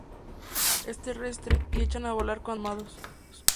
Es terrestre, y echan a volar cuando están alarmados.